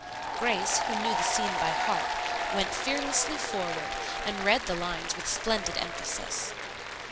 Grace, who knew the scene by heart, went fearlessly forward, and read the lines with splendid emphasis.